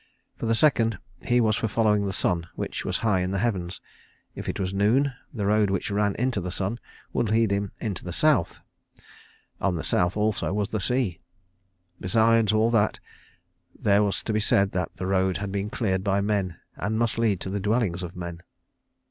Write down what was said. For the second, he was for following the sun, which was high in the heavens. If it was noon, the road which ran into the sun would lead him to the South. On the South also was the sea. Besides all that there was to be said that the road had been cleared by men, and must lead to the dwellings of men.